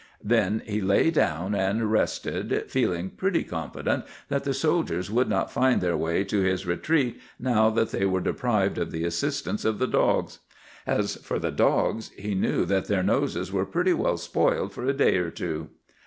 "Then he lay down and rested, feeling pretty confident that the soldiers would not find their way to his retreat now that they were deprived of the assistance of the dogs. As for the dogs, he knew that their noses were pretty well spoiled for a day or two.